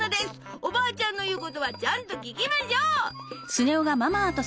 おばあちゃんの言うことはちゃんと聞きましょう。